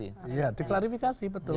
iya diklarifikasi betul